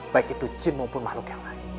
baik itu jin maupun makhluk yang lain